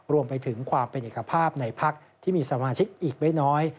รวมไปถึงความเป็นเอกภาพในพักที่มีสมาชิกอีกไม่น้อย